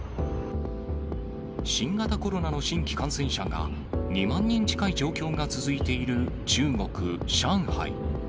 新型コロナの新規感染者が２万人近い状況が続いている中国・上海。